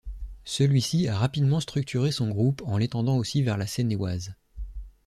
Celui-ci a rapidement structuré son groupe en l'étendant aussi vers la Seine-et-Oise.